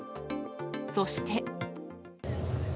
そして。